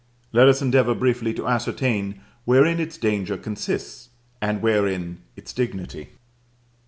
Let us endeavor briefly to ascertain wherein its danger consists, and wherein its dignity.